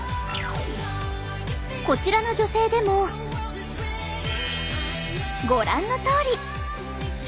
こちらの女性でもご覧のとおり。